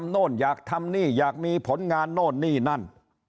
โน่นอยากทำนี่อยากมีผลงานโน่นนี่นั่น